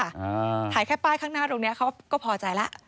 อ่าถ่ายแค่ป้ายข้างหน้าตรงเนี้ยเขาก็พอใจแล้ว